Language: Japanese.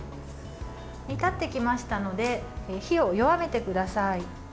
煮立ってきましたので火を弱めてください。